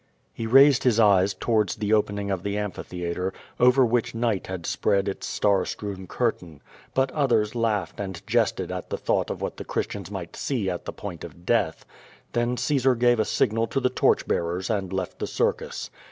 He raised his eyes towards the opening of the amphitheatre, over which night had spread its star strewn curtain. But others laughed and jested at thought of what the Christians might see at the point of death. Then Caesar gave a signal to the torch bearers and left the circus.